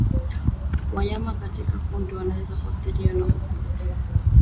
Wanyama katika kundi wanaweza kuathirika na ukurutu